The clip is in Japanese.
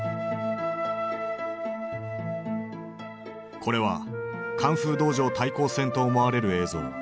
これはカンフー道場対抗戦と思われる映像。